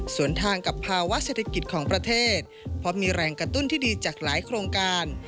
ส่วนทางกับภาวะเศรษฐกิจของประเทศเพราะมีแรงกระตุ้นที่ดีจากหลายโครงการ